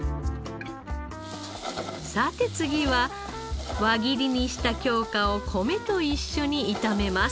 さて次は輪切りにした京香を米と一緒に炒めます。